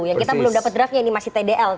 yang kita belum dapat draftnya ini masih tdl